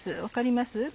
分かります？